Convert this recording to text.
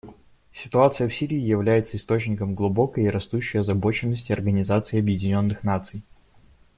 Ситуация в Сирии является источником глубокой и растущей озабоченности Организации Объединенных Наций.